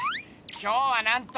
今日はなんと！